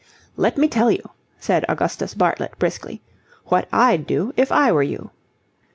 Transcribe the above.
"Let me tell you," said Augustus Bartlett, briskly, "what I'd do, if I were you."